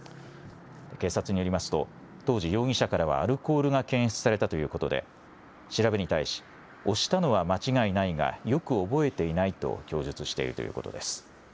警察によりますと当時、容疑者からはアルコールが検出されたということで、調べに対し押したのは間違いないがよく覚えていないと供述しているということです。